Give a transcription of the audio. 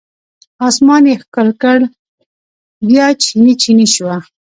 اسمان یې ښکل کړ بیا چینې، چینې شوه